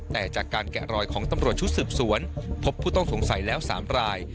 แต่จากการแกะรอยของตำรวจชุดสืบสวนพบผู้ต้องสงสัยแล้ว๓ราย